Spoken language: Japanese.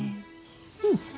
うん。